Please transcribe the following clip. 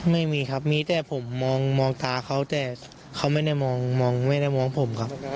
ไม่มีครับมีแต่ผมมองตาเขาแต่เขาไม่ได้มองไม่ได้มองผมครับ